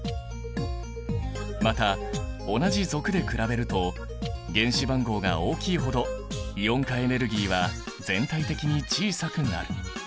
また同じ族で比べると原子番号が大きいほどイオン化エネルギーは全体的に小さくなる。